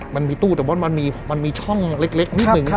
มันมีตู้แต่ว่ามันมีช่องเล็กนิดนึง